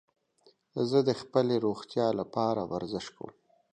زه د خپلې روغتیا لپاره ورزش کوم.